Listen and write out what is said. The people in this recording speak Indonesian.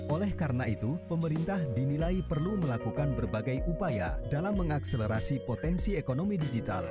oleh karena itu pemerintah dinilai perlu melakukan berbagai upaya dalam mengakselerasi potensi ekonomi digital